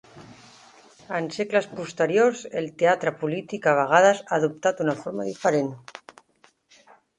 En segles posteriors, el teatre polític a vegades ha adoptat una forma diferent.